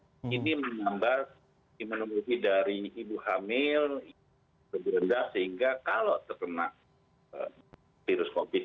oke ini menambah imunologi dari ibu hamil lebih rendah sehingga kalau terkena virus covid sembilan belas ini kita akan melakukan kegiatan